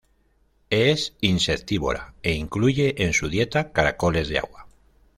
Es insectívora e incluye en su dieta caracoles de agua.